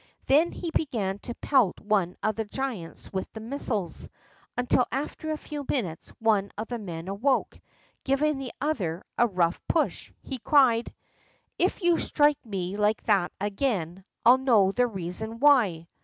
Then he began to pelt one of the giants with the missiles, until after a few minutes one of the men awoke. Giving the other a rough push, he cried: "If you strike me like that again, I'll know the reason why."